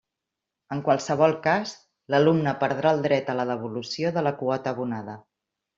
En qualsevol cas l'alumne perdrà el dret a la devolució de la quota abonada.